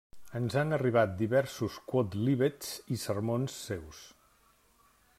Ens han arribat diversos quòdlibets i sermons seus.